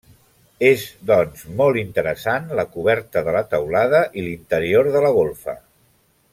És, doncs, molt interessant la coberta de la teulada i l'interior de la golfa.